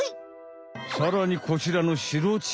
さらにこちらのシロチドリ！